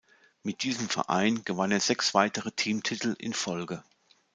Mit diesem Verein gewann er sechs weitere Teamtitel in Folge.